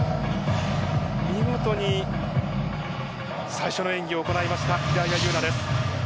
見事に最初の演技を行いました平岩優奈です。